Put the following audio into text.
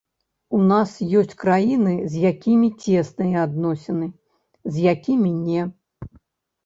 У нас ёсць краіны, з якімі цесныя адносіны, з якімі не.